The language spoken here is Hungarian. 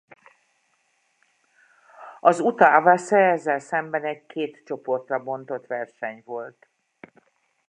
Az Uta-avasze ezzel szemben egy két csoportra bontott verseny volt.